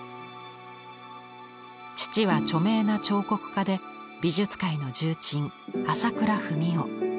父は著名な彫刻家で美術界の重鎮朝倉文夫。